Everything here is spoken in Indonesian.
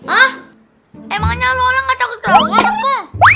hah emangnya lorong gak cakut cakut apa